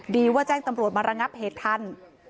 ดีว่าแจ้งตำรวจมาระงับเหตุทัน